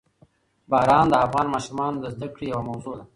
باران د افغان ماشومانو د زده کړې یوه موضوع ده.